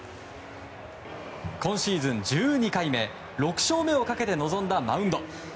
今シーズン１２回目６勝目をかけて臨んだマウンド。